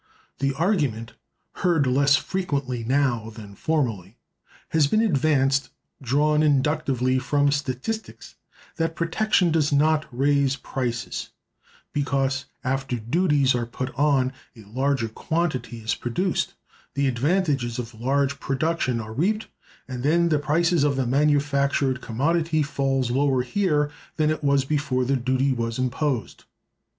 The argument—heard less frequently now than formerly—has been advanced, drawn inductively from statistics, that protection does not raise prices; because, after duties are put on, a larger quantity is produced, the advantages of large production are reaped, and then the price of the manufactured commodity falls lower here than it was before the duty was imposed.